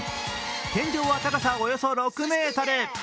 天井は高さおよそ６ｍ。